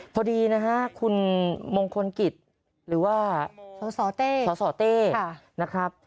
พอดีนะฮะคุณมงคลกิจหรือว่าสสเต้นะครับ